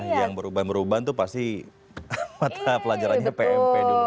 yang berubah berubah itu pasti mata pelajarannya pmp dulu